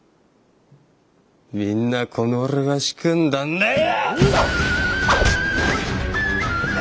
みんなこの俺が仕組んだんだよ！